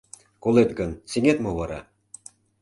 — Колет гын, сеҥет мо вара?